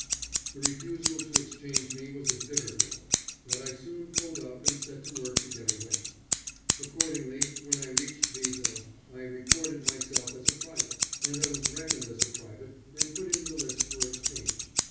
The refusal to exchange me was a bitter blow, but I soon pulled up and set to work to get away. Accordingly, when I reached Wesel, I reported myself as a private, and I was reckoned as a private and put in the list for exchange.